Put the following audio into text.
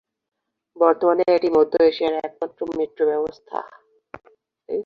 বর্তমানে এটি মধ্য এশিয়ার একমাত্র মেট্রো ব্যবস্থা।